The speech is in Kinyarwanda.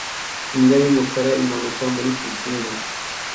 Imbwa y'umukara imanuka muri pisine